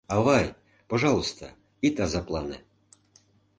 — Авай, пожалуйста, ит азаплане.